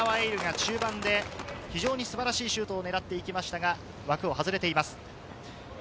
中盤でシュートを狙っていきましたが、枠を外れています。